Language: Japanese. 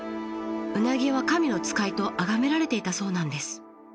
ウナギは神の使いとあがめられていたそうなんです。